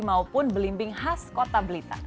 maupun belimbing khas kota blitar